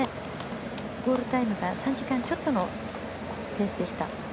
ゴールタイムが３時間ちょっとのペースでした。